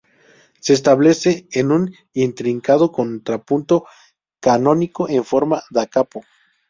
Se establece en un intrincado contrapunto canónico en forma "da capo".